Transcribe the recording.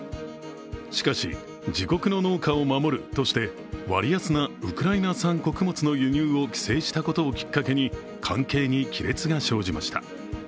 しかし、自国の農家を守るとして割安なウクライナ産穀物の輸入を規制したことをきっかけに関係に亀裂が生じました。